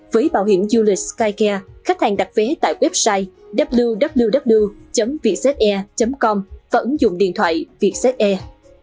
với bảo hiểm ulis skycare khách hàng đặt vé tại website www vietjetair com và ứng dụng điện thoại vietjet air